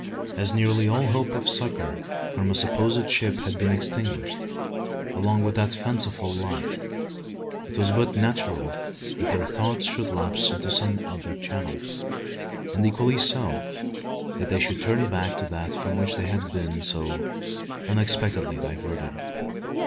As nearly all hope of succour from a supposed ship had been extinguished, along with that fanciful light, it was but natural that their thoughts should lapse into some other channel; and equally so, that they should turn back to that from which they had been so unexpectedly diverted.